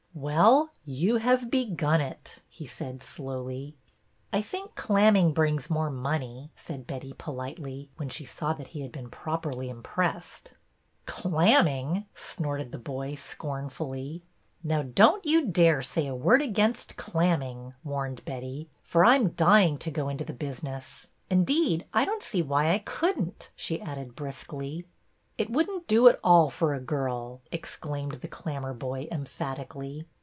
"Well, you have begun it," he said slowly. " I think clamming brings more money," said Betty, politely, when she saw that he had been properly impressed. "Clamming!" snorted the boy, scornfully. 46 BETTY BAIRD'S VENTURES '' Now don't you dare to say a word against clamming," warned Betty, for I 'm dying to go into the business. Indeed, I don't see why I could n't," she added briskly. '' It would n't do at all for a girl," exclaimed the Clammerboy, emphatically.